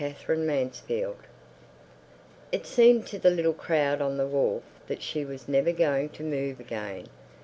The Stranger It seemed to the little crowd on the wharf that she was never going to move again.